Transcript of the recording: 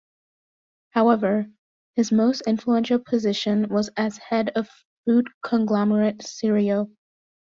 However, his most influential position was as head of food conglomerate Cirio.